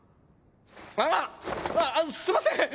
あっすみません！